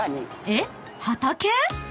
［えっ畑？］